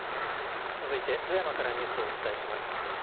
続いて富山からニュースをお伝えします。